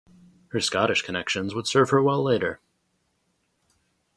Her Scottish connections would serve her well later.